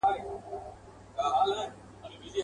پر زولنو یې دي لیکلي لېونۍ سندري.